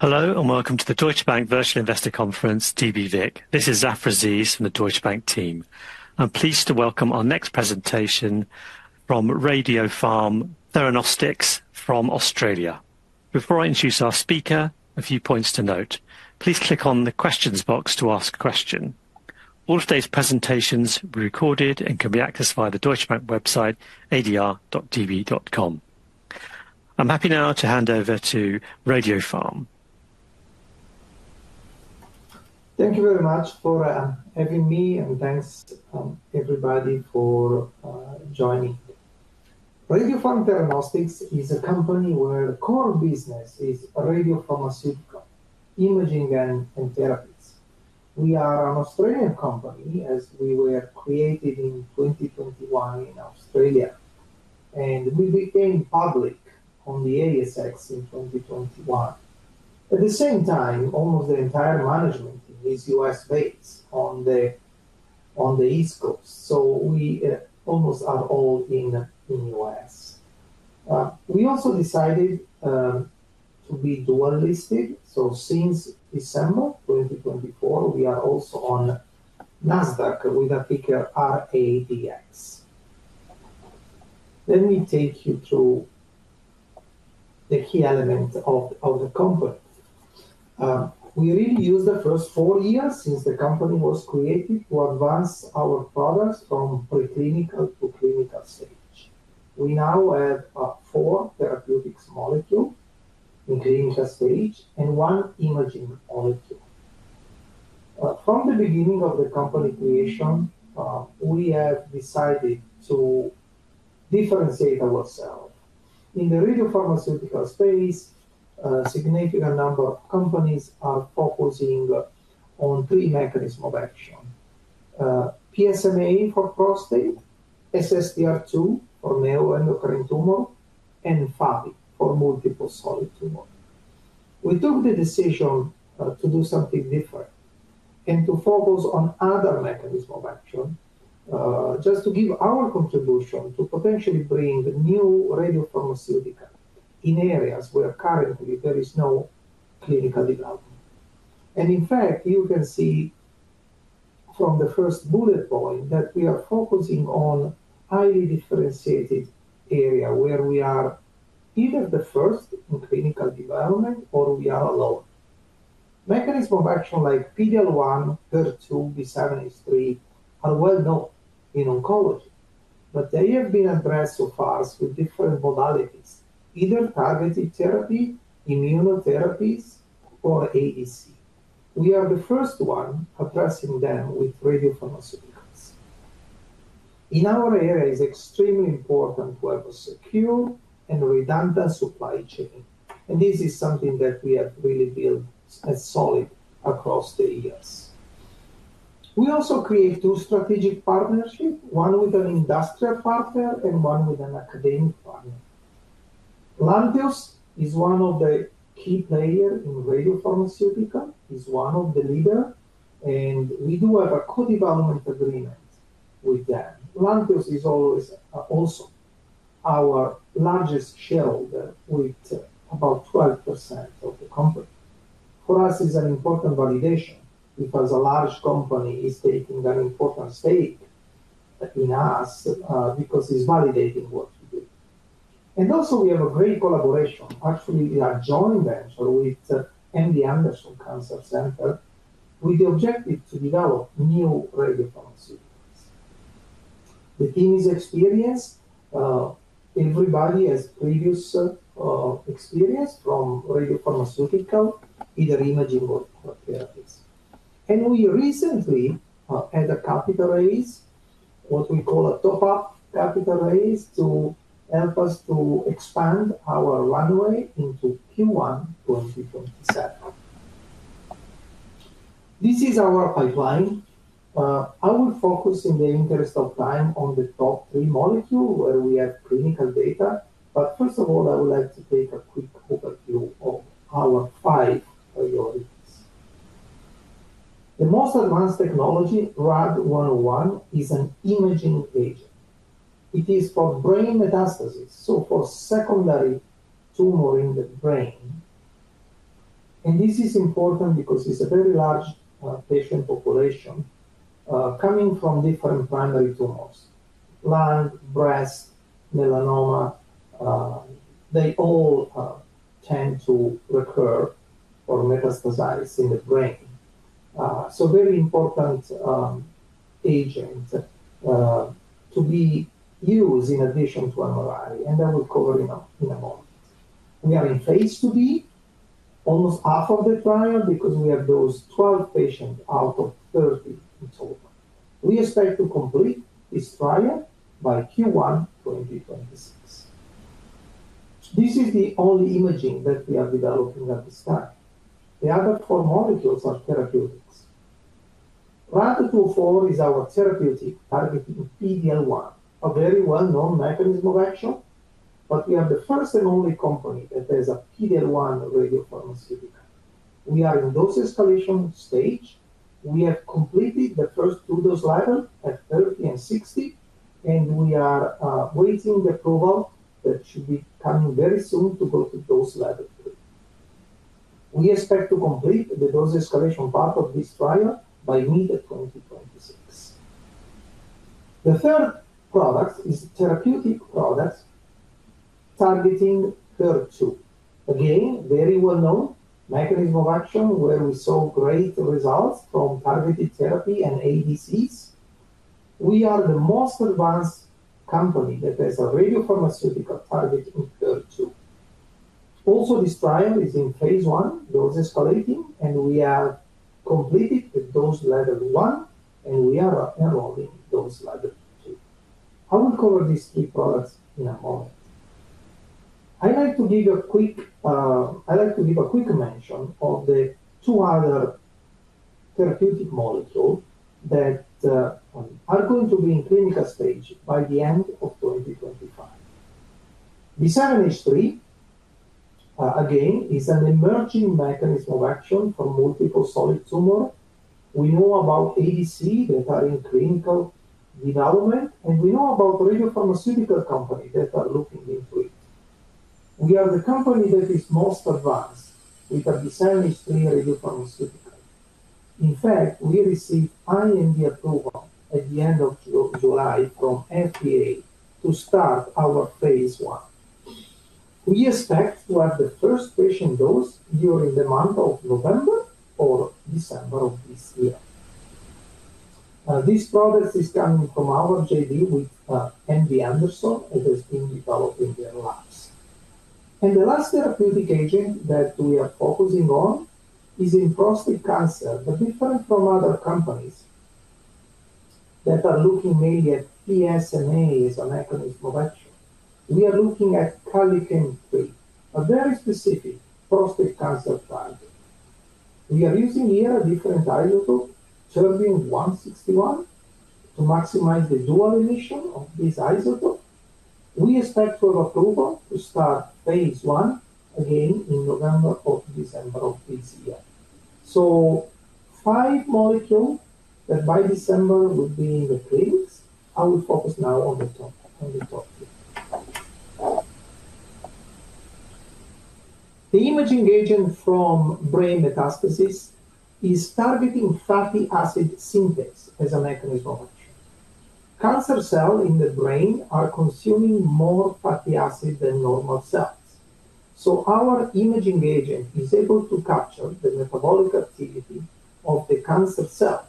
Hello and welcome to the Deutsche Bank Virtual Investor Conference, dbVIC. This is Zafar Aziz from the Deutsche Bank team. I'm pleased to welcome our next presentation from Radiopharm Theranostics from Australia. Before I introduce our speaker, a few points to note. Please click on the questions box to ask a question. All of today's presentations will be recorded and can be accessed via the Deutsche Bank website, adr.db.com. I'm happy now to hand over to Radiopharm. Thank you very much for having me, and thanks everybody for joining. Radiopharm Theranostics is a company where the core business is radiopharmaceutical imaging and therapies. We are an Australian company, as we were created in 2021 in Australia, and we became public on the ASX in 2021. At the same time, almost the entire management team is U.S.-based on the East Coast, so we almost are all in the U.S. We also decided to be dual-listed, so since December 2024, we are also on NASDAQ with a ticker RADX. Let me take you through the key elements of the company. We really used the first four years since the company was created to advance our products from preclinical to clinical stage. We now have four therapeutic molecules in clinical stage and one imaging molecule. From the beginning of the company creation, we have decided to differentiate ourselves in the radiopharmaceutical space. A significant number of companies are focusing on three mechanisms of action: PSMA for prostate, SSTR2 for neuroendocrine tumor, and FAP for multiple solid tumor. We took the decision to do something different and to focus on other mechanisms of action, just to give our contribution to potentially bring new radiopharmaceuticals in areas where currently there is no clinical development. In fact, you can see from the first bullet point that we are focusing on highly differentiated areas where we are either the first in clinical development or we are alone. Mechanisms of action like PD-L1, HER2, B7-H3 are well known in oncology, but they have been addressed so far through different modalities, either targeted therapy, immunotherapies, or ADC. We are the first one addressing them with radiopharmaceuticals. In our area, it is extremely important to have a secure and redundant supply chain, and this is something that we have really built solid across the years. We also created two strategic partnerships, one with an industrial partner and one with an academic partner. Lantheus is one of the key players in radiopharmaceuticals, is one of the leaders, and we do have a co-development agreement with them. Lantheus is also our largest shareholder, with about 12% of the company. For us, it is an important validation because a large company is taking an important stake in us because it's validating what we do, and also, we have a great collaboration. Actually, we are joint ventures with MD Anderson Cancer Center with the objective to develop new radiopharmaceuticals. The team is experienced. Everybody has previous experience from radiopharmaceutical, either imaging or therapies. We recently had a capital raise, what we call a top-up capital raise, to help us to expand our runway into Q1 2027. This is our pipeline. I will focus, in the interest of time, on the top three molecules where we have clinical data, but first of all, I would like to take a quick overview of our five priorities. The most advanced technology, RAD101, is an imaging agent. It is for brain metastasis, so for secondary tumor in the brain. And this is important because it is a very large patient population. Coming from different primary tumors: lung, breast, melanoma. They all tend to recur or metastasize in the brain. So a very important agent to be used in addition to MRI, and I will cover in a moment. We are in phase IIB, almost half of the trial, because we have those 12 patients out of 30 in total. We expect to complete this trial by Q1 2026. This is the only imaging that we are developing at this time. The other four molecules are therapeutics. RAD204 is our therapeutic targeting PD-L1, a very well-known mechanism of action, but we are the first and only company that has a PD-L1 radiopharmaceutical. We are in dose escalation stage. We have completed the first two dose levels at 30 and 60, and we are waiting the approval that should be coming very soon to go to dose level three. We expect to complete the dose escalation part of this trial by mid-2026. The third product is a therapeutic product targeting HER2. Again, very well-known mechanism of action where we saw great results from targeted therapy and ADCs. We are the most advanced company that has a radiopharmaceutical targeting HER2. Also, this trial is in phase I, dose escalating, and we have completed the dose level one, and we are enrolling in dose level two. I will cover these three products in a moment. I'd like to give a quick mention of the two other therapeutic molecules that are going to be in clinical stage by the end of 2025. B7-H3 again is an emerging mechanism of action for multiple solid tumors. We know about ADCs that are in clinical development, and we know about radiopharmaceutical companies that are looking into it. We are the company that is most advanced with the B7-H3 radiopharmaceutical. In fact, we received IND approval at the end of July from FDA to start our phase I. We expect to have the first patient dose during the month of November or December of this year. This product is coming from our JV with MD Anderson, as has been developed in their labs. And the last therapeutic agent that we are focusing on is in prostate cancer, but different from other companies that are looking mainly at PSMA as a mechanism of action. We are looking at KLK3, a very specific prostate cancer drug. We are using here a different isotope, Tb-161, to maximize the dual emission of this isotope. We expect for approval to start phase I again in November or December of this year. So five molecules that by December will be in the clinics. I will focus now on the top three. The imaging agent from brain metastasis is targeting fatty acid synthase as a mechanism of action. Cancer cells in the brain are consuming more fatty acid than normal cells, so our imaging agent is able to capture the metabolic activity of the cancer cells,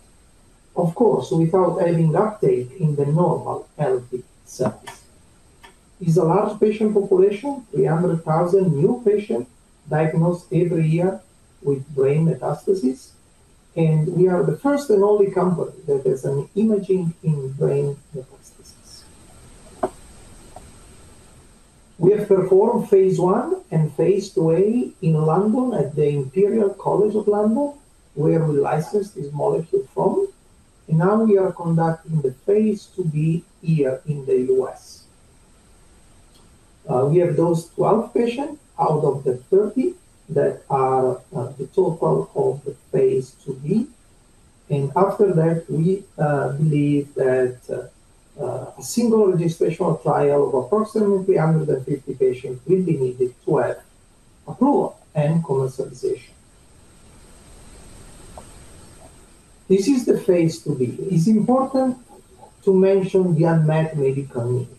of course, without having uptake in the normal healthy cells. It is a large patient population, 300,000 new patients diagnosed every year with brain metastasis, and we are the first and only company that has an imaging in brain metastasis. We have performed phase I and phase IIA in London at the Imperial College London, where we licensed this molecule from. And now we are conducting the phase IIB here in the U.S. We have those 12 patients out of the 30 that are the total of the phase IIB, and after that, we believe that. A single registration or trial of approximately 150 patients will be needed to have approval and commercialization. This is the phase IIB. It's important to mention the unmet medical need.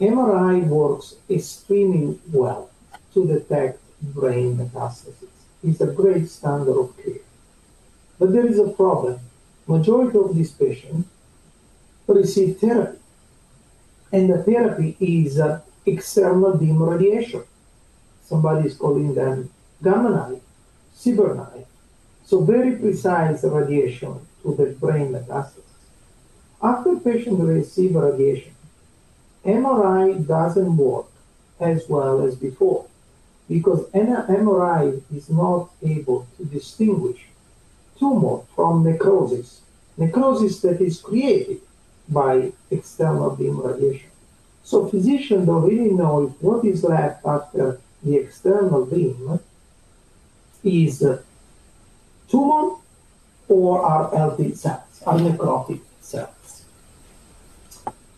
MRI works extremely well to detect brain metastasis. It's a great standard of care. But there is a problem. The majority of these patients. Receive therapy. And the therapy is external beam radiation. Somebody is calling them gamma knife, CBR knife, so very precise radiation to the brain metastasis. After patients receive radiation. MRI doesn't work as well as before because MRI is not able to distinguish. Tumor from necrosis, necrosis that is created by external beam radiation. So physicians don't really know if what is left after the external beam. Is. Tumor or are healthy cells, are necrotic cells.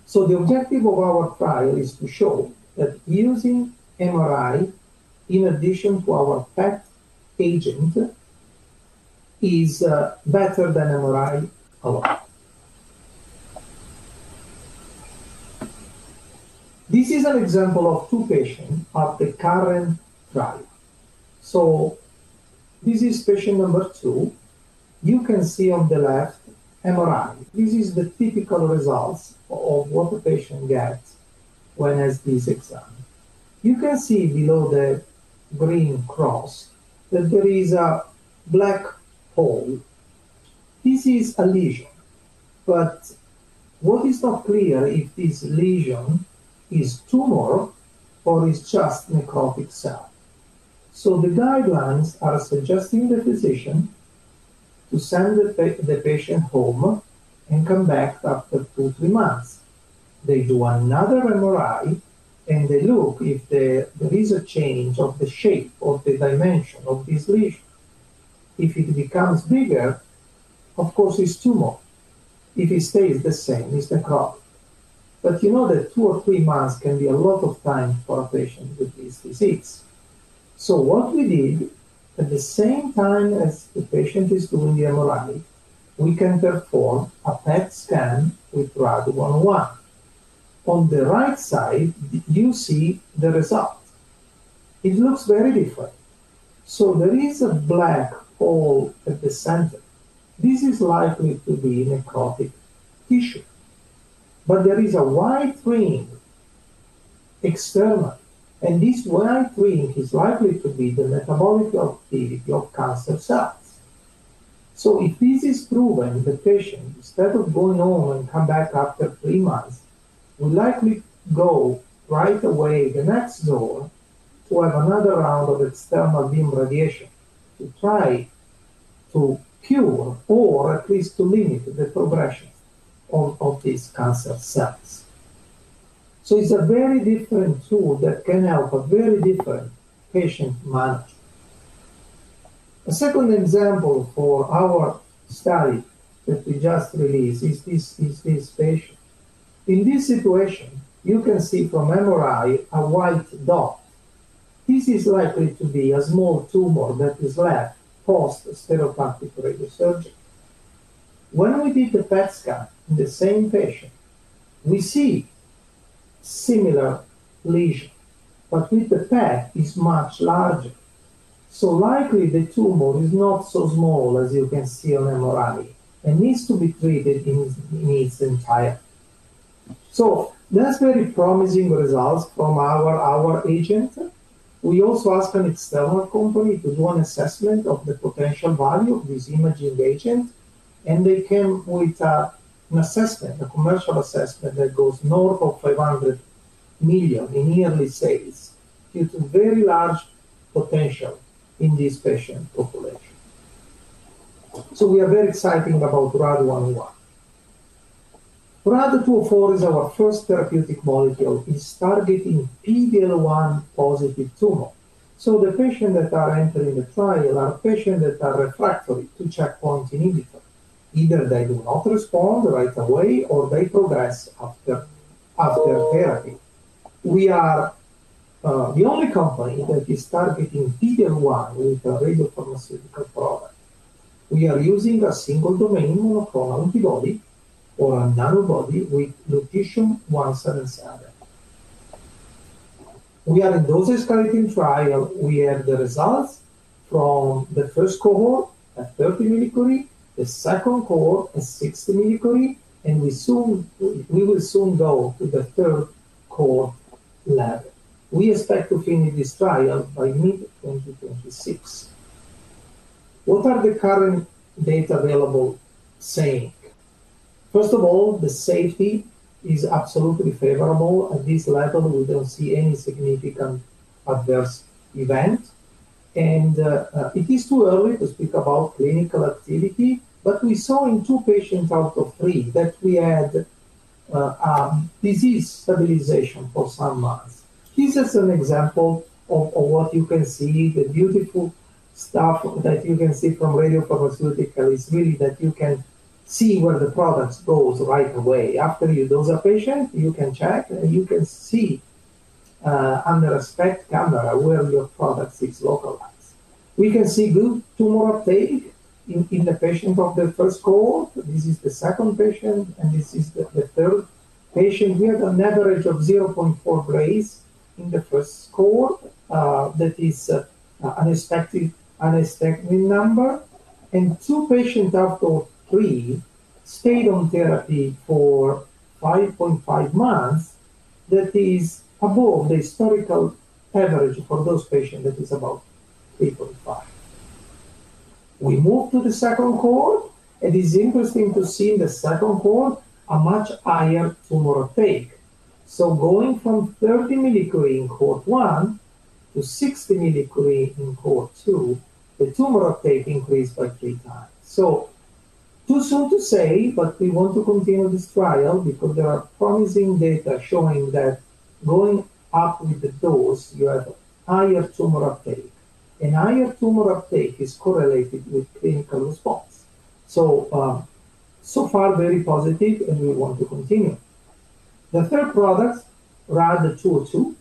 So the objective of our trial is to show that using MRI in addition to our PET agent. Is better than MRI alone. This is an example of two patients of the current trial. So. This is patient number two. You can see on the left MRI. This is the typical result of what a patient gets when he has this exam. You can see below the green cross that there is a black hole. This is a lesion, but what is not clear is if this lesion is tumor or it's just necrotic cell. So the guidelines are suggesting the physician. To send the patient home and come back after two or three months. They do another MRI, and they look if there is a change of the shape or the dimension of this lesion. If it becomes bigger, of course, it's tumor. If it stays the same, it's necrotic. But you know that two or three months can be a lot of time for a patient with this disease. So what we did, at the same time as the patient is doing the MRI, we can perform a PET scan with RAD101. On the right side, you see the result. It looks very different. So there is a black hole at the center. This is likely to be necrotic tissue. But there is a white ring. Externally, and this white ring is likely to be the metabolic activity of cancer cells. If this is proven, the patient, instead of going home and coming back after three months, will likely go right away the next door to have another round of external beam radiation to try to cure or at least to limit the progression of these cancer cells. So it's a very different tool that can help a very different patient management. A second example for our study that we just released is this patient. In this situation, you can see from MRI a white dot. This is likely to be a small tumor that is left post stereotactic radiosurgery. When we did the PET scan in the same patient, we see similar lesion, but with the PET, it's much larger. So likely, the tumor is not so small as you can see on MRI and needs to be treated in its entirety. So that's very promising results from our agent. We also asked an external company to do an assessment of the potential value of this imaging agent, and they came with an assessment, a commercial assessment that goes north of $500 million in yearly sales due to very large potential in this patient population. So we are very excited about RAD101. RAD204 is our first therapeutic molecule. It's targeting PD-L1 positive tumor. So the patients that are entering the trial are patients that are refractory to checkpoint inhibitor. Either they do not respond right away or they progress after therapy. We are the only company that is targeting PD-L1 with a radiopharmaceutical product. We are using a single-domain monoclonal antibody or a nanobody with Lutetium 177. We are in dose escalating trial. We have the results from the first cohort at 30 mCi, the second cohort at 60 mCi, and we will soon go to the third cohort level. We expect to finish this trial by mid-2026. What are the current data available saying? First of all, the safety is absolutely favorable. At this level, we don't see any significant adverse event. And it is too early to speak about clinical activity, but we saw in two patients out of three that we had disease stabilization for some months. This is an example of what you can see. The beautiful stuff that you can see from radiopharmaceutical is really that you can see where the product goes right away. After you dose a patient, you can check, and you can see under a SPECT camera where your product is localized. We can see good tumor uptake in the patient of the first cohort. This is the second patient, and this is the third patient. We have an average of 0.4 grays in the first cohort. That is an expected absorbed number. And two patients out of three stayed on therapy for 5.5 months. That is above the historical average for those patients that is about 3.5. We moved to the second cohort, and it's interesting to see in the second cohort a much higher tumor uptake. So going from 30 mCi in cohort one to 60 mCi in cohort two, the tumor uptake increased by three times. So. Too soon to say, but we want to continue this trial because there are promising data showing that going up with the dose, you have a higher tumor uptake. And higher tumor uptake is correlated with clinical response. So. So far, very positive, and we want to continue. The third product, RAD202.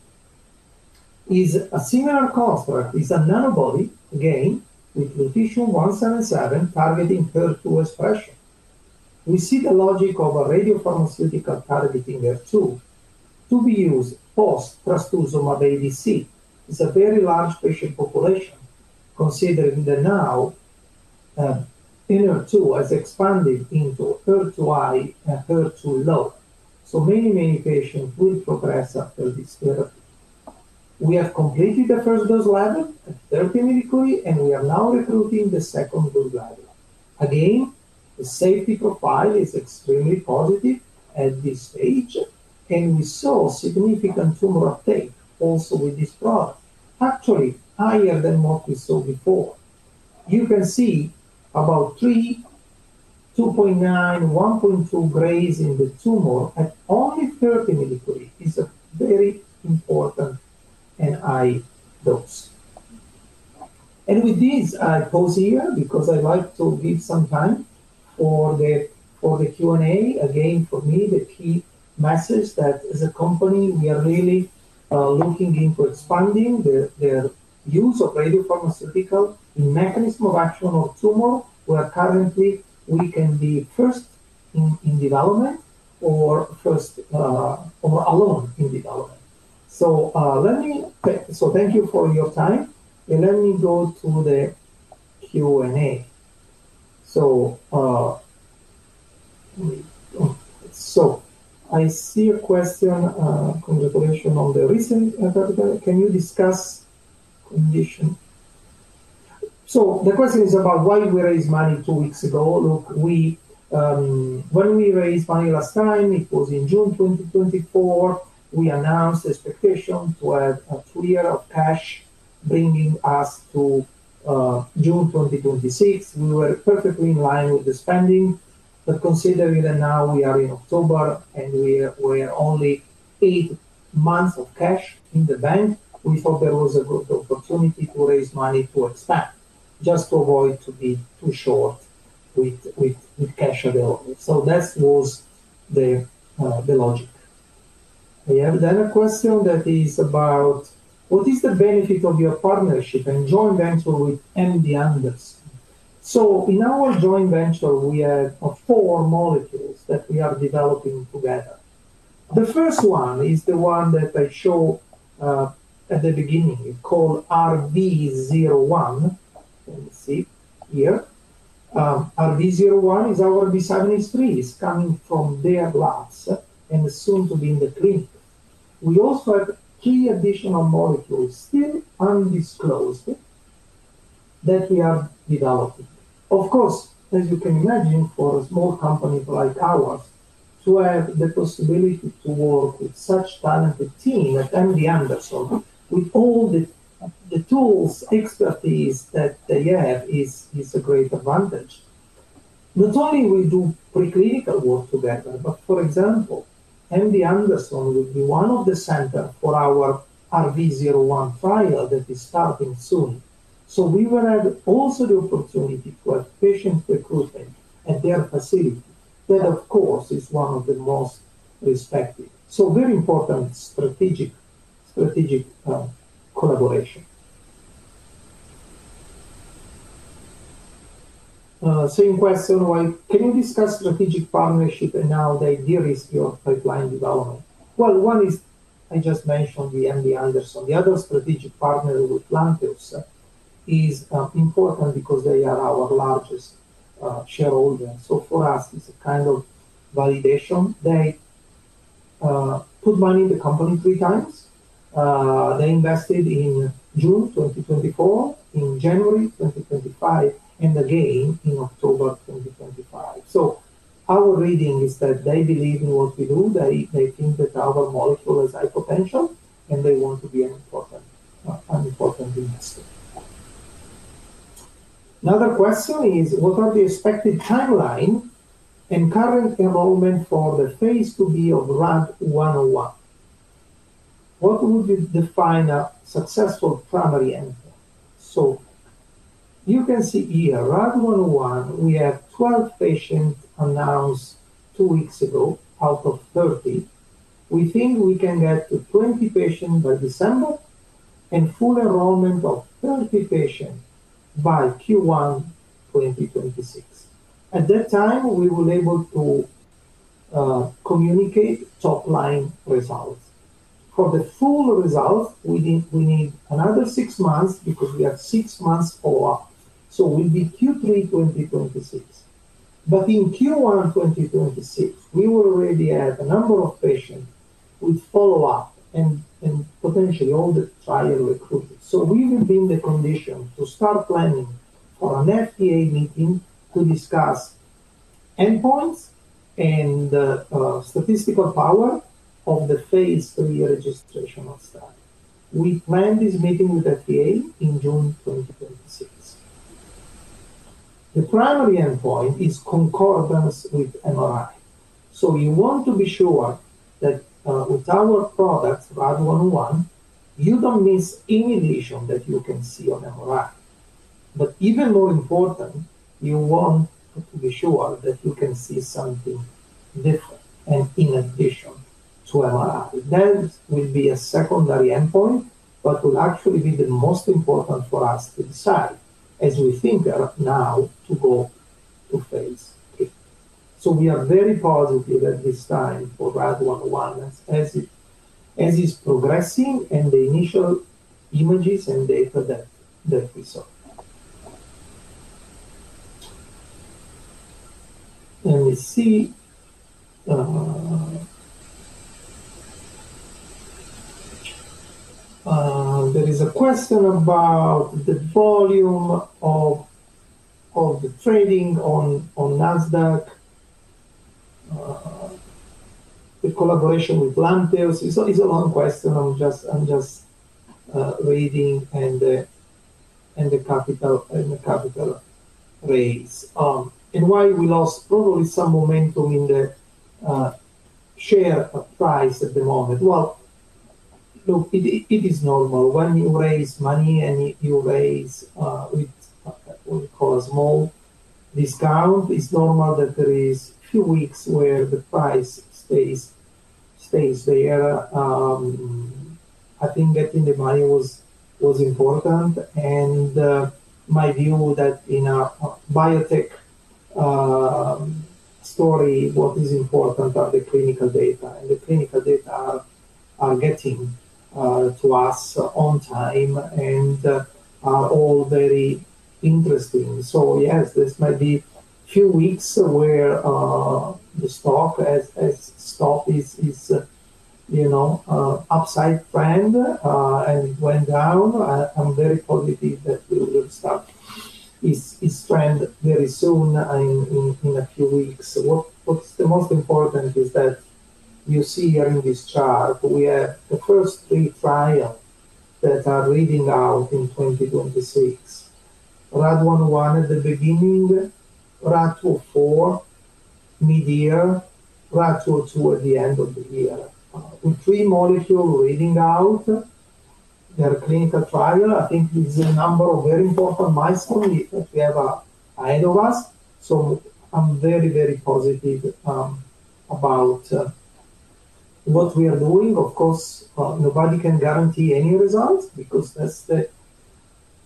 Is a similar construct. It's a nanobody, again, with Lu-177 targeting HER2 expression. We see the logic of a radiopharmaceutical targeting HER2 to be used post trastuzumab ADC. It's a very large patient population, considering that now HER2 has expanded into HER2-low and HER2-low. So many, many patients will progress after this therapy. We have completed the first dose level at 30 mCi, and we are now recruiting the second dose level. Again, the safety profile is extremely positive at this stage, and we saw significant tumor uptake also with this product, actually higher than what we saw before. You can see about three, 2.9, 1.2 grays in the tumor at only 30 mCi. It's a very important. And high dose. And with this, I pause here because I'd like to give some time for the Q&A. Again, for me, the key message that as a company, we are really looking into expanding the use of radiopharmaceutical in mechanism of action of tumor. We are currently, we can be first. In development or first. Or alone in development. So let me, so thank you for your time. And let me go to the. Q&A. So. I see a question. Congratulations on the recent, can you discuss. Condition? So the question is about why we raised money two weeks ago. Look, we. When we raised money last time, it was in June 2024. We announced expectation to have a two-year cash bringing us to. June 2026. We were perfectly in line with the spending, but considering that now we are in October and we are only. Eight months of cash in the bank, we thought there was a good opportunity to raise money to expand just to avoid being too short. With cash available. So that was. The logic. We have another question that is about. What is the benefit of your partnership and joint venture with MD Anderson? So in our joint venture, we have four molecules that we are developing together. The first one is the one that I show. At the beginning. It's called RB01. Let me see here. RB01 is our B7-H3. It's coming from their labs and is soon to be in the clinic. We also have three additional molecules still undisclosed. That we are developing. Of course, as you can imagine, for a small company like ours, to have the possibility to work with such a talented team at MD Anderson with all the tools, expertise that they have is a great advantage. Not only will we do preclinical work together, but for example, MD Anderson will be one of the centers for our RB01 trial that is starting soon. So we will have also the opportunity to have patient recruitment at their facility that, of course, is one of the most respected. So very important strategic collaboration. Same question, right? Can you discuss strategic partnership and now the idea is your pipeline development? Well, one is, I just mentioned the MD Anderson. The other strategic partner with Lantheus is important because they are our largest shareholder. So for us, it's a kind of validation. They put money in the company three times. They invested in June 2024, in January 2025, and again in October 2025. So our reading is that they believe in what we do. They think that our molecule has high potential, and they want to be an important investor. Another question is, what are the expected timeline and current involvement for the Phase IIb of RAD101? What would you define a successful primary endpoint? So you can see here, RAD101, we have 12 patients announced two weeks ago out of 30. We think we can get to 20 patients by December. And full enrollment of 30 patients by Q1 2026. At that time, we will be able to communicate top-line results. For the full results, we need another six months because we have six months follow-up. So we'll be Q3 2026. But in Q1 2026, we will already have a number of patients with follow-up and potentially all the trial recruiters. So we will be in the condition to start planning for an FDA meeting to discuss endpoints and statistical power of the phase three registration of study. We plan this meeting with FDA in June 2026. The primary endpoint is concordance with MRI. So you want to be sure that with our product, RAD101, you don't miss any lesion that you can see on MRI. But even more important, you want to be sure that you can see something different in addition to MRI. That will be a secondary endpoint, but will actually be the most important for us to decide as we think now to go to phase three. So we are very positive at this time for RAD101 as it's progressing and the initial images and data that we saw. Let me see. There is a question about the volume of the trading on Nasdaq. The collaboration with Lantheus. It's a long question. I'm just reading and the capital raise. And why we lost probably some momentum in the share price at the moment. Well, look, it is normal. When you raise money and you raise with what we call a small discount, it's normal that there are a few weeks where the price stays there. I think getting the money was important. And my view that in a biotech story, what is important are the clinical data. And the clinical data are getting. To us on time and are all very interesting. So yes, this might be a few weeks where the stock is upside trend and it went down. I'm very positive that we will start this trend very soon in a few weeks. What's the most important is that you see here in this chart, we have the first three trials that are readout in 2026. RAD101 at the beginning. RAD204 mid-year, RAD202 at the end of the year. The three molecules readout. Their clinical trial, I think this is a number of very important milestones that we have ahead of us. So I'm very, very positive about what we are doing. Of course, nobody can guarantee any results because that's the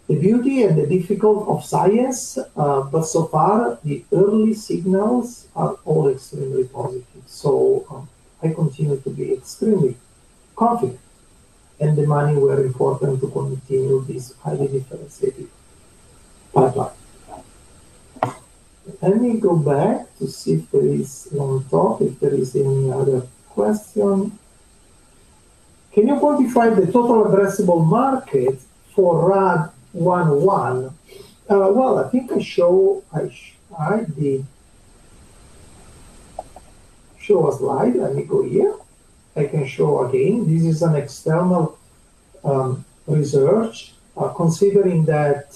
beauty and the difficulty of science. But so far, the early signals are all extremely positive. So I continue to be extremely confident, and the money is important to continue this highly differentiated pipeline. Let me go back to see if there is long talk, if there is any other question. Can you quantify the total addressable market for RAD101? Well, I think I showed a slide. Let me go here. I can show again. This is an external research considering that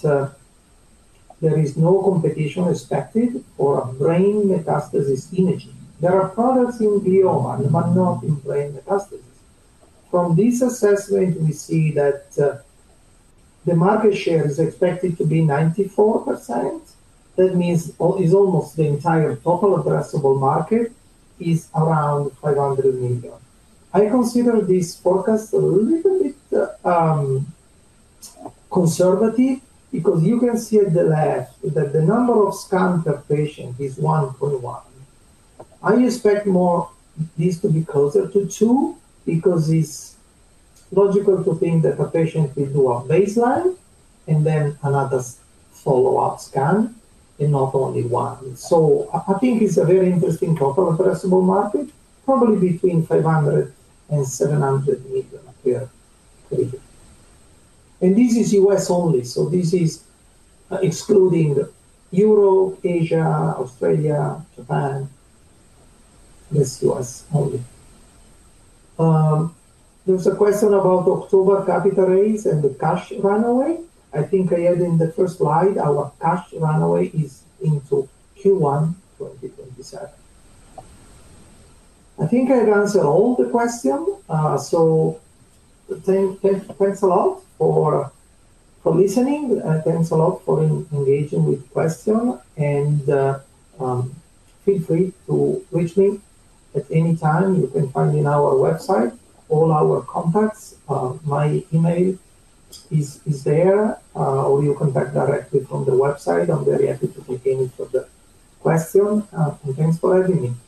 there is no competition expected for a brain metastasis imaging. There are products in glioma, but not in brain metastasis. From this assessment, we see that the market share is expected to be 94%. That means it's almost the entire total addressable market is around $500 million. I consider this forecast a little bit conservative because you can see at the left that the number of scans per patient is 1.1. I expect this to be closer to two because it's logical to think that a patient will do a baseline and then another follow-up scan and not only one. So I think it's a very interesting total addressable market, probably between $500-$700 million per clinic, and this is U.S. only. So this is excluding Europe, Asia, Australia, Japan. That's U.S. only. There's a question about October capital raise and the cash runway. I think I added in the first slide, our cash runway is into Q1 2027. I think I've answered all the questions. So thanks a lot for listening. Thanks a lot for engaging with the question. Feel free to reach me at any time. You can find in our website all our contacts. My email is there or you contact directly from the website. I'm very happy to take any further questions. And thanks for having me.